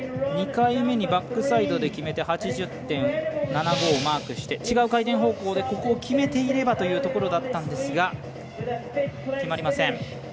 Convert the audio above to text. ２回目にバックサイドで決めて８０．７５をマークして違う回転方向でここを決めていればというところだったんですが決まりません。